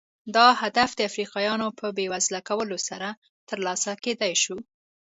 دا هدف د افریقایانو په بېوزله کولو سره ترلاسه کېدای شو.